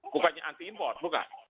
bukannya anti import bukan